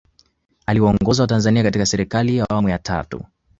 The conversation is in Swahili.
Aliwaongoza watanzania katika Serikali ya Awamu ya tatu